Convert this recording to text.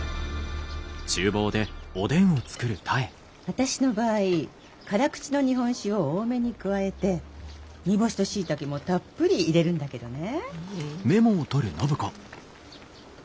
私の場合辛口の日本酒を多めに加えて煮干しとシイタケもたっぷり入れるんだけどね。